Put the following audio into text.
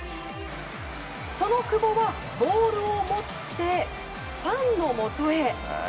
その久保はボールを持ってファンのもとへ。